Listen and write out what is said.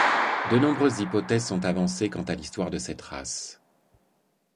De nombreuses hypothèses sont avancées quant à l'histoire de cette race.